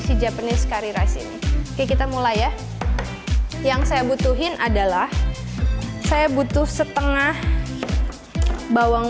si japanese curry rice ini kita mulai ya yang saya butuhin adalah saya butuh setengah bawang